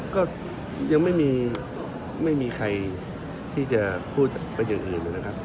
ก็ยังไม่มีใครที่จะพูดเป็นอย่างอื่นนะครับ